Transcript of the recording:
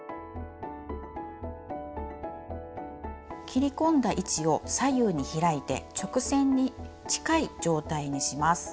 切り込んだ位置を左右に開いて直線に近い状態にします。